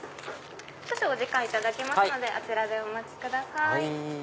少々お時間いただきますのであちらでお待ちください。